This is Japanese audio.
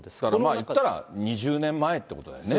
いったら２０年前っていうことだよね。